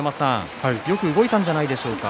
よく動いたんじゃないですか？